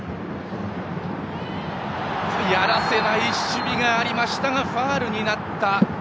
やらせない守備がありましたがファウルになった。